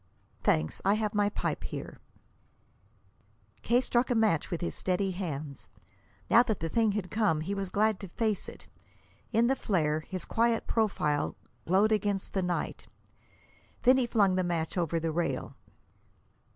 "Thanks; I have my pipe here." K. struck a match with his steady hands. Now that the thing had come, he was glad to face it. In the flare, his quiet profile glowed against the night. Then he flung the match over the rail.